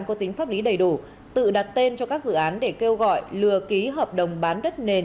có tính pháp lý đầy đủ tự đặt tên cho các dự án để kêu gọi lừa ký hợp đồng bán đất nền